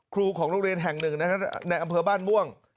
ครูของโรคเรนแห่ง๑ในอำเภาบ้านม่วง